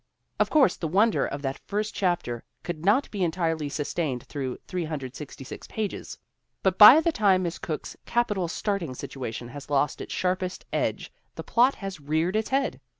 Of course the wonder of that first chapter could not be entirely sustained through 366 pages, but by the time Miss Cooke's capi tal starting situation has lost its sharpest edge the plot has reared its head